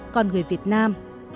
con người việt nam